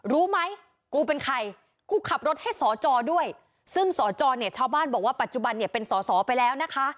รู้ไหมกูเป็นใครกูขับรถให้จจด้วยซึ่งบ้านบอกว่าปัจจุบันเนี่ยเป็นไปแล้วนะคะ